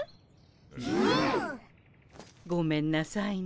うん。ごめんなさいね。